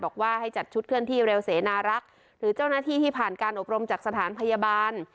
บอกว่าให้จัดชุดเคลื่อนที่เร็วเสนารักษ์หรือเจ้าหน้าที่ที่ผ่านการอบรมจากสถานพยาบาล